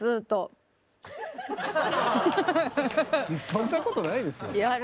そんなことないですよ。